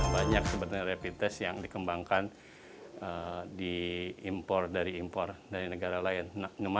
banyak sebetulnya rapid test yang dikembangkan dari impor dari negara lain